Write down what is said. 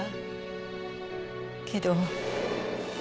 けど。